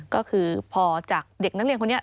ก็คือพอจากเด็กนักเรียนคนนี้